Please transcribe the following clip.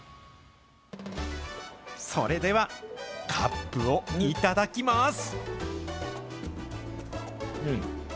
それでは、カップを頂きます。